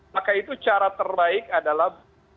maka itu cara terbaik adalah